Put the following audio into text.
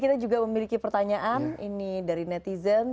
kita juga memiliki pertanyaan ini dari netizen